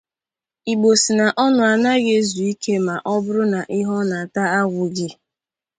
Igbo sị na ọnụ anaghị ezu ike ma ọ bụrụ na ihe ọ na-ata agwụghị